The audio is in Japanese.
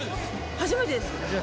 初めてですか？